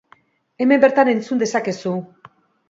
Hemen bertan entzun dezakezu!